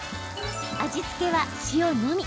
味付けは塩のみ。